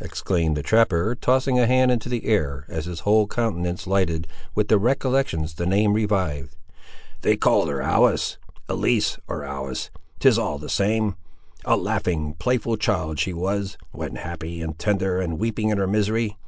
exclaimed the trapper, tossing a hand into the air as his whole countenance lighted with the recollections the name revived. "They called her Alice! Elsie or Alice; 'tis all the same. A laughing, playful child she was, when happy; and tender and weeping in her misery!